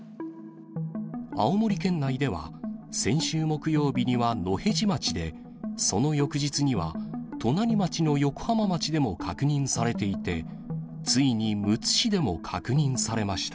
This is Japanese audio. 青森県内では、先週木曜日には野辺地町で、その翌日には隣町の横浜町でも確認されていて、ついにむつ市でも確認されました。